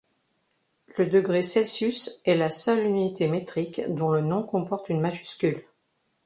Le degré Celsius est la seule unité métrique dont le nom comporte une majuscule.